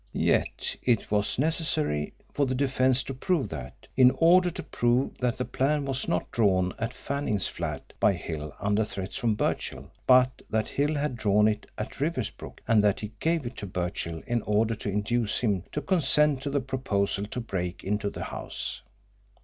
Yet it was necessary for the defence to prove that, in order to prove that the plan was not drawn at Fanning's flat by Hill under threats from Birchill, but that Hill had drawn it at Riversbrook, and that he gave it to Birchill in order to induce him to consent to the proposal to break into the house.